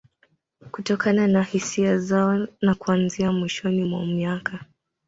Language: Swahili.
Kutokana na hisia zao na kuanzia mwishoni mwa miaka